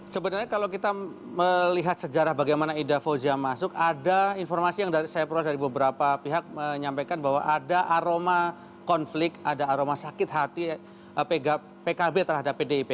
sebenarnya kalau kita melihat sejarah bagaimana ida fauzia masuk ada informasi yang saya peroleh dari beberapa pihak menyampaikan bahwa ada aroma konflik ada aroma sakit hati pkb terhadap pdip